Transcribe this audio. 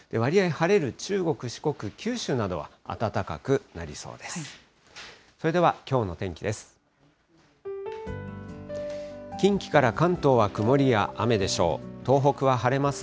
晴れる中国、四国、九州などは暖かくなりそうです。